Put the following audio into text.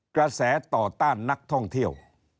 กระแสต่อต้านนักท่องเที่ยว